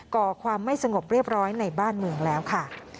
ก่อความไม่สงบเรียบร้อยในบ้านเมืองแล้วค่ะ